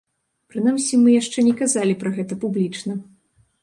Прынамсі, мы яшчэ не казалі пра гэта публічна.